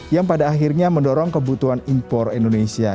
yang pada akhirnya mendorong kebutuhan impor indonesia